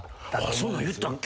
そんなん言ったっけ？